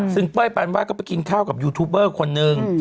ซึ่งเป้ยปานวาดก็ไปกินข้าวกับยูทูบเบอร์คนนึง